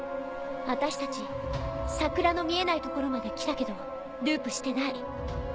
あたしたち桜の見えない所まで来たけどループしてない。